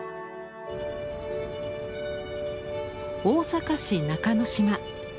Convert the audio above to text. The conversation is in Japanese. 大阪市中之島。